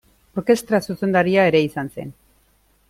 Orkestra zuzendaria ere izan zen.